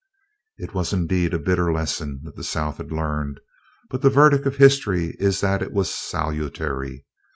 It was indeed a bitter lesson that the South had learned, but the verdict of history is that it was salutary.